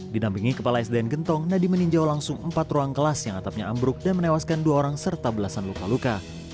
dinampingi kepala sdn gentong nadie meninjau langsung empat ruang kelas yang atapnya ambruk dan menewaskan dua orang serta belasan luka luka